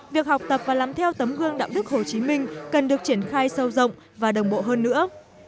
việc học tập và làm theo tấm gương đạo đức hồ chí minh cần được triển khai sâu rộng và đồng bộ hơn nữa